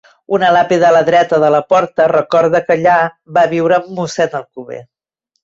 Una làpida a la dreta de la porta recorda que allà va viure Mossèn Alcover.